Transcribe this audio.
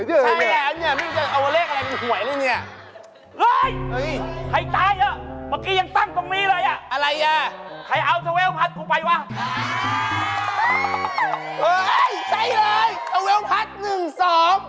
ใช้เลยตะเวลพัดหนึ่งสอง